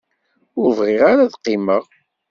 Ur bɣiɣ ara ad qqimeɣ.